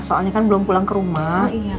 soalnya kan belum pulang ke rumah